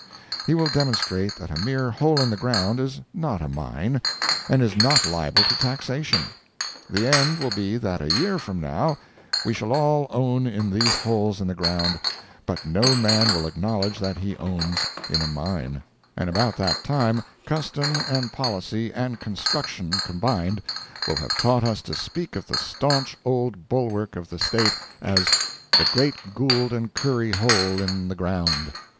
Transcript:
He will demonstrate that a mere hole in the ground is not a mine, and is not liable to taxation. The end will be that a year from now we shall all own in these holes in the ground, but no man will acknowledge that he owns in a "mine"; and about that time custom, and policy, and construction, combined, will have taught us to speak of the staunch old bulwark of the State as "The Great Gould & Curry Hole in the Ground."